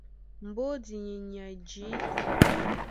Mbódi í e nyay jǐta.